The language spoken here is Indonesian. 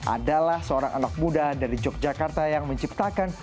adalah seorang anak muda dari yogyakarta yang menciptakan